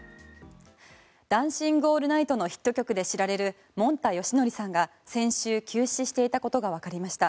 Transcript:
「ダンシング・オールナイト」のヒット曲で知られるもんたよしのりさんが先週、急死していたことがわかりました。